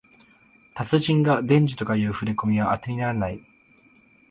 達人が伝授とかいうふれこみはあてにならない